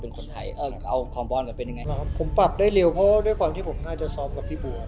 เพราะด้วยความที่ผมน่าจะซ้อมกับพี่บัว